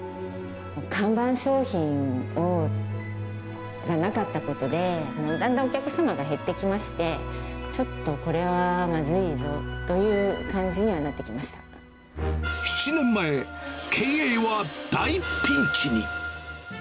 看板商品がなかったことで、だんだんお客様が減ってきまして、ちょっと、これはまずいぞという７年前、経営は大ピンチに。